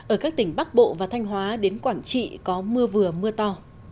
ở các tỉnh bắc bộ và thanh hóa đến quảng trị có mưa vừa mưa to